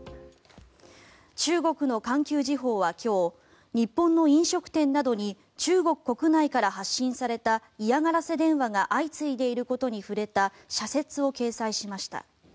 中国の環球時報は今日日本の飲食店などに中国国内から発信された嫌がらせ電話が相次いでいることに触れた社説を掲載しました。